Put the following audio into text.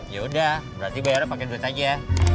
yaudah berarti bayarnya pake duit aja